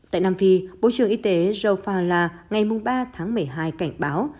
tại nam phi bộ trưởng y tế joe fowler ngày ba tháng một mươi hai cảnh báo